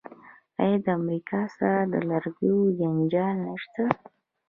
آیا د امریکا سره د لرګیو جنجال نشته؟